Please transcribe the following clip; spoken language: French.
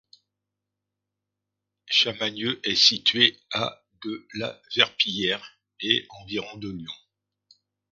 Chamagnieu est situé à de La Verpillière, et environ de Lyon.